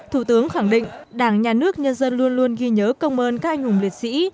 thủ tướng khẳng định đảng nhà nước nhân dân luôn luôn ghi nhớ công ơn các anh hùng liệt sĩ